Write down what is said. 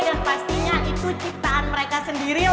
dan pastinya itu ciptaan mereka sendiri loh